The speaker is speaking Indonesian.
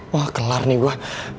wah kelar nih gue